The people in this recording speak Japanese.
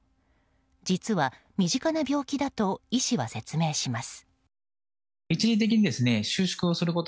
実は、身近な病気だと医師は説明します。